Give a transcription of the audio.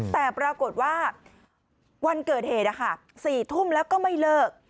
แต่ปรากฏว่าวันเกิดเหตุ๔ทุ่มแล้วก็ไม่เลิก